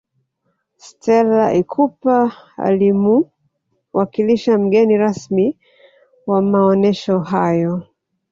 stella ikupa alimuwakilisha mgeni rasmi wa maonesho hayo